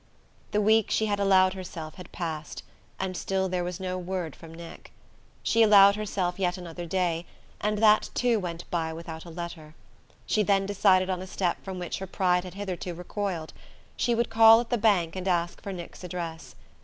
The week she had allowed herself had passed, and still there was no word from Nick. She allowed herself yet another day, and that too went by without a letter. She then decided on a step from which her pride had hitherto recoiled; she would call at the bank and ask for Nick's address.